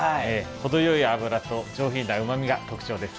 程良い脂と上品なうまみが特徴です。